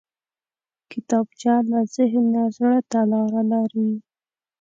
کتابچه له ذهن نه زړه ته لاره لري